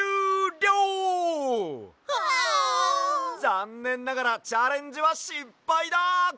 ざんねんながらチャレンジはしっぱいだ！